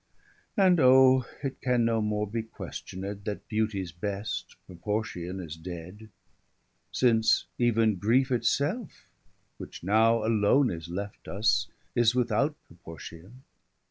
And, Oh, it can no more be questioned, 305 That beauties best, proportion, is dead, Since even griefe it selfe, which now alone Is left us, is without proportion.